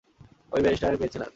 আমি ব্যারিস্টারের মেয়ে ছিলাম।